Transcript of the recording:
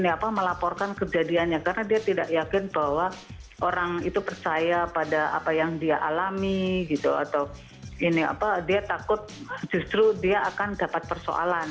ini apa melaporkan kejadiannya karena dia tidak yakin bahwa orang itu percaya pada apa yang dia alami gitu atau ini apa dia takut justru dia akan dapat persoalan